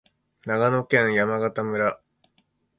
長野県山形村